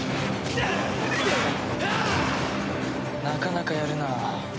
なかなかやるなあ。